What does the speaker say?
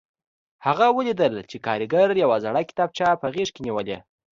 هغه ولیدل چې کارګر یوه زړه کتابچه په غېږ کې نیولې